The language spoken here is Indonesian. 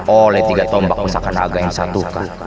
oleh tiga tombak usakan agar yang satu